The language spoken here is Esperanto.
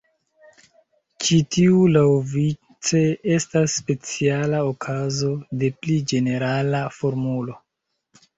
Ĉi tiu laŭvice estas speciala okazo de pli ĝenerala formulo.